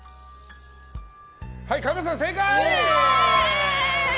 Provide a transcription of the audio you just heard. はい、神田さん正解！